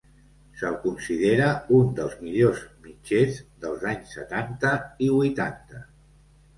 Se'l considera un dels millors mitgers dels anys setanta i huitanta.